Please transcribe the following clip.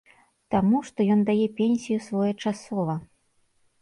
Таму, што ён дае пенсію своечасова.